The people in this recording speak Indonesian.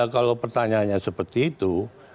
kalau pertanyaannya seperti itu